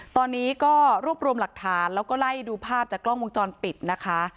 ตอนนี้ก็รวบรวมหลักฐานแล้วก็ไล่ดูภาพจากกล้องวงจรปิดนะคะ